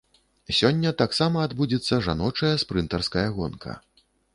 Сёння таксама адбудзецца жаночая спрынтарская гонка.